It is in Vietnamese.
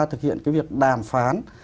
thực hiện cái việc đàm phán